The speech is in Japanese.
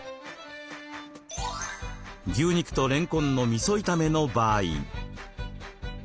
牛肉とれんこんのみそ炒めの場合。